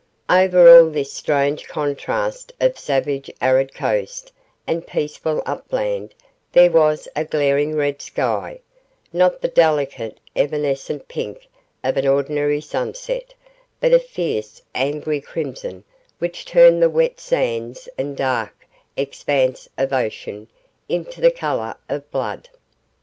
Over all this strange contrast of savage arid coast and peaceful upland there was a glaring red sky not the delicate evanescent pink of an ordinary sunset but a fierce angry crimson which turned the wet sands and dark expanse of ocean into the colour of blood.